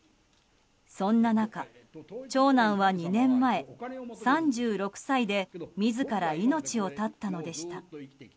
そんな中、長男は２年前３６歳で自ら命を絶ったのでした。